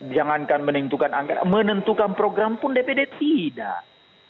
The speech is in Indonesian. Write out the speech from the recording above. jangankan menentukan anggaran menentukan program pun dpd tidak